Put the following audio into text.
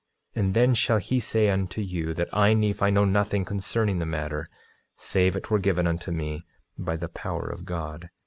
9:36 And then shall he say unto you, that I, Nephi, know nothing concerning the matter save it were given unto me by the power of God.